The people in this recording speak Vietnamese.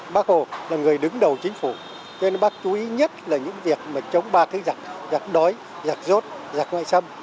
bác hồ là người đứng đầu chính phủ cho nên bác chú ý nhất là những việc mà chống ba thứ giặc giặc đói giặc rốt giặc ngoại xâm